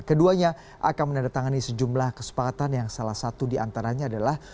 keduanya akan menandatangani sejumlah kesepakatan yang salah satu diantaranya adalah